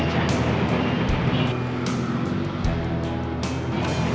lumayan buat jajan